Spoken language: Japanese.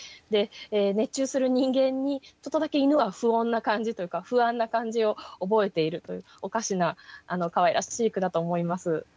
で熱中する人間にちょっとだけ犬は不穏な感じというか不安な感じを覚えているというおかしなかわいらしい句だと思います。